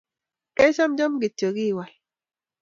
kechamcham kityo, kiwal